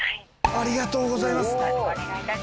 ありがとうございます。